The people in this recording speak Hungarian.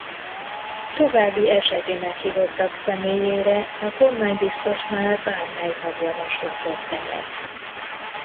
További eseti meghívottak személyére a kormánybiztosnál bármely tag javaslatot tehet.